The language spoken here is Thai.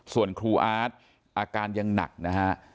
ส่วนครูอาร์ตอาการยังหนักนะฮะ